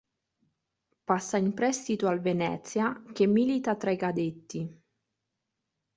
Passa in prestito al Venezia, che milita tra i cadetti.